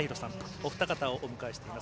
お二方をお迎えしています。